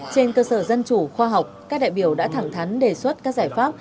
trên cơ sở dân chủ khoa học các đại biểu đã thẳng thắn đề xuất các giải pháp